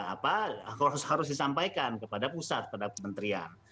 apa harus disampaikan kepada pusat kepada kementerian